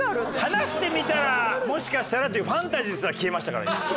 話してみたらもしかしたらというファンタジーすら消えましたから今。